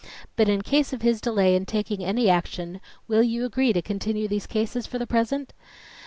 But in case of his delay in taking any action, will you agree to continue these cases for the present?